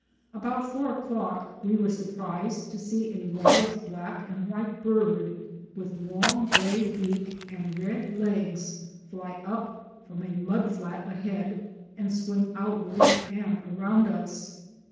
About four o'clock we were surprised to see a large black and white bird with long gray beak and red legs fly up from a mud flat ahead and swing outward and around us.